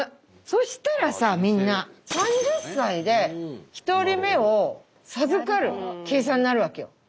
そしたらさみんな３０歳で１人目を授かる計算になるわけよ。